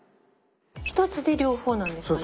一つで両方なんですかね？